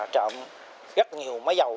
trộm rất nhiều máy dầu